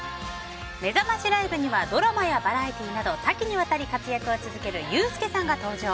めざましライブにはドラマやバラエティーなど多岐にわたり活躍を続ける遊助さんが登場！